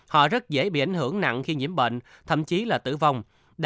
họ rất dễ bị ảnh hưởng nặng khi nhiễm bệnh thậm chí là tử vong